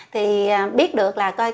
thì biết được là